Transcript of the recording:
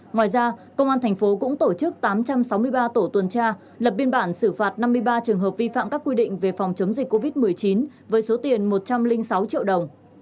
ngoài ra công an thành phố cũng tổ chức tám trăm sáu mươi ba tổ tuần tra lập biên bản xử phạt năm mươi ba trường hợp vi phạm các quy định về phòng chống dịch covid một mươi chín với số tiền một trăm linh sáu triệu đồng